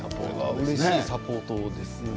うれしいサポートですね。